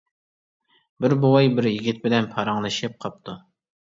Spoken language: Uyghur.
بىر بوۋاي بىر يىگىت بىلەن پاراڭلىشىپ قاپتۇ.